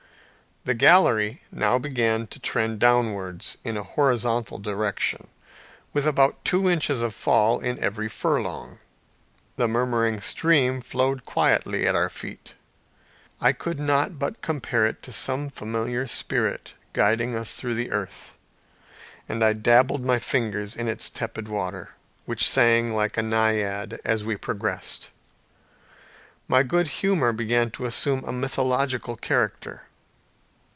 The gallery now began to trend downwards in a horizontal direction, with about two inches of fall in every furlong. The murmuring stream flowed quietly at our feet. I could not but compare it to some familiar spirit, guiding us through the earth, and I dabbled my fingers in its tepid water, which sang like a naiad as we progressed. My good humor began to assume a mythological character.